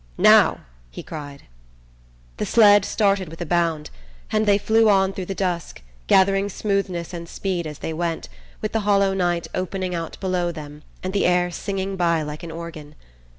"Now!" he cried. The sled started with a bound, and they flew on through the dusk, gathering smoothness and speed as they went, with the hollow night opening out below them and the air singing by like an organ.